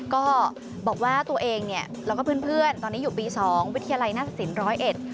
ก็บอกว่าตัวเองเนี่ยแล้วก็เพื่อนตอนนี้อยู่ปี๒วิทยาลัยหน้าศิลป์๑๐๑